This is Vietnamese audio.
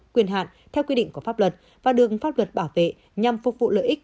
quyền hạn theo quy định của pháp luật và đường pháp luật bảo vệ nhằm phục vụ lợi ích